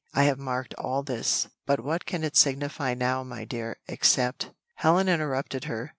I have marked all this, but what can it signify now my dear, except ?" Helen interrupted her.